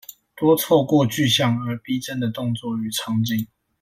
多透過具象而逼真的動作與場景